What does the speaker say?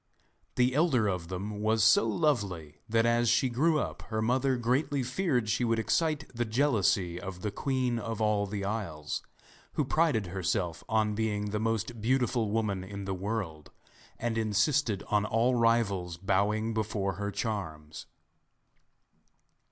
The elder of them was so lovely that as she grew up her mother greatly feared she would excite the jealousy of the Queen of all the Isles, who prided herself on being the most beautiful woman in the world, and insisted on all rivals bowing before her charms.